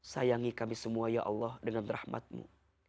sayangi kami semua ya allah dengan rahmatmu